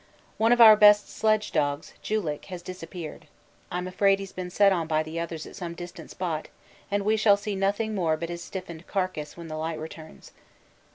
One of our best sledge dogs, 'Julick,' has disappeared. I'm afraid he's been set on by the others at some distant spot and we shall see nothing more but his stiffened carcass when the light returns.